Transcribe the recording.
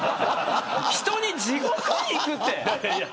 人に、地獄にいくって。